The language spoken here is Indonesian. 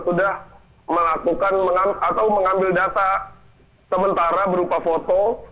sudah melakukan atau mengambil data sementara berupa foto